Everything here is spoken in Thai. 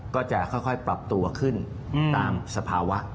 ก็จะค่อยปรับตัวขึ้นตามสภาวะ